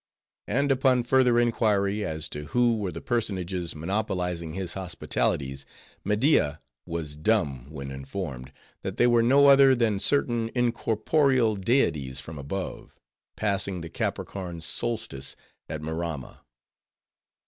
And upon further inquiry, as to who were the personages monopolizing his hospitalities, Media was dumb when informed, that they were no other than certain incorporeal deities from above, passing the Capricorn Solstice at Maramma.